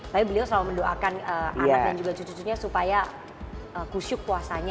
tapi beliau selalu mendoakan anak dan juga cucu cucunya supaya kusyuk puasanya